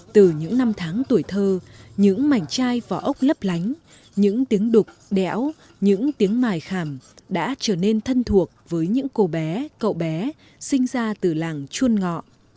từ những năm tháng tuổi thơ những mảnh chai vỏ ốc lấp lánh những tiếng đục đẽo những tiếng mài khảm đã trở nên thân thuộc với những cô bé cậu bé sinh ra từ làng chuôn ngọ